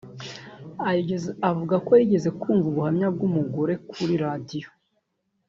Avuga ko yigeze kumva ubuhamya bw’umugore kuri radiyo